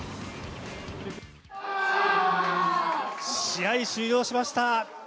試合終了しました。